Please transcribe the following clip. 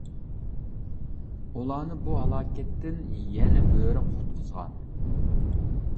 ئۇلارنى بۇ ھالاكەتتىن يەنە بۆرە قۇتقۇزغان.